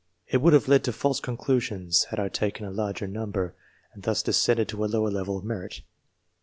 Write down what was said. It would have led to false conclusions, had I taken a larger number, and thus descended to a lower level of merit.